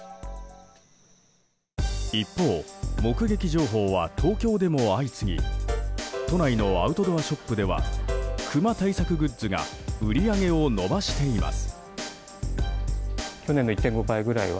一方、目撃情報は東京でも相次ぎ都内のアウトドアショップではクマ対策グッズが売り上げを伸ばしています。